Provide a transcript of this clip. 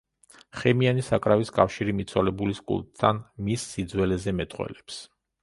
ხემიანი საკრავის კავშირი მიცვალებულის კულტთან მის სიძველეზე მეტყველებს.